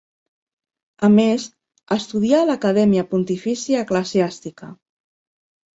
A més, estudià a l'Acadèmia Pontifícia Eclesiàstica.